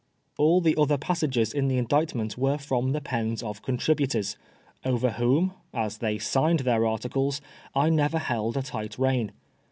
All the other passages in the Indictment were from the pens of contributors, over whom, as they signed their articles, I never held a tight rein.